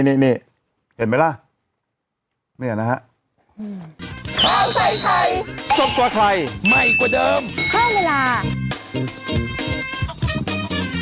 นี่แหละนะฮะ